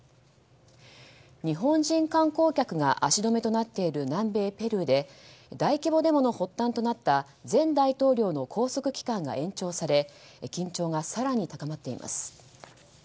日本人観光客が足止めとなっている南米ペルーで大規模デモの発端となった前大統領の拘束期間が延長され緊張が更に高まっています。